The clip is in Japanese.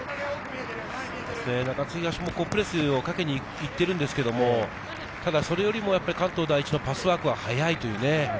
中津東もプレスをかけに行っているんですけど、それよりも関東第一のパスワークが速いというね。